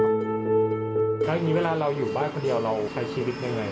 อย่างนี้เวลาเราอยู่บ้านคนเดียวเราใช้ชีวิตยังไง